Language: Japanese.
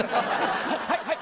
はいはい！